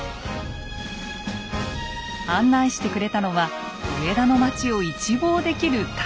案内してくれたのは上田の町を一望できる高台。